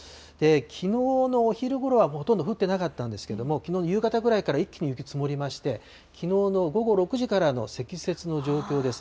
きのうのお昼ごろは、ほとんど降ってなかったんですけれども、きのうの夕方ぐらいから一気に雪、積もりまして、きのうの午後６時からの積雪の状況です。